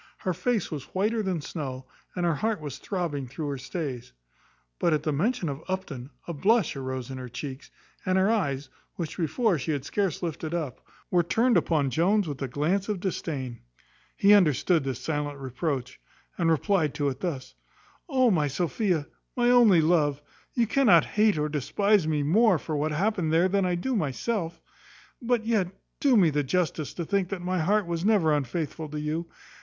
Her face was whiter than snow, and her heart was throbbing through her stays. But, at the mention of Upton, a blush arose in her cheeks, and her eyes, which before she had scarce lifted up, were turned upon Jones with a glance of disdain. He understood this silent reproach, and replied to it thus: "O my Sophia! my only love! you cannot hate or despise me more for what happened there than I do myself; but yet do me the justice to think that my heart was never unfaithful to you.